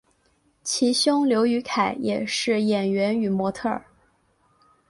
其兄刘雨凯也是演员与模特儿。